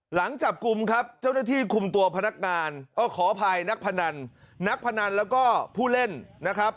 หลังจับกลุ่มครับเจ้าหน้าที่คุมตัวพนักงานขออภัยนักพนันนักพนันแล้วก็ผู้เล่นนะครับ